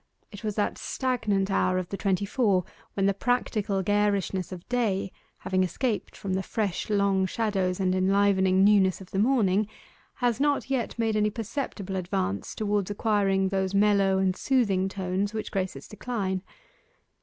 It was that stagnant hour of the twenty four when the practical garishness of Day, having escaped from the fresh long shadows and enlivening newness of the morning, has not yet made any perceptible advance towards acquiring those mellow and soothing tones which grace its decline.